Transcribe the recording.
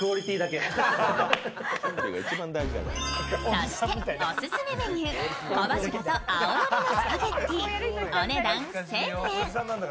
そしてオススメメニュー小柱と青のりのスパゲッティお値段１０００円。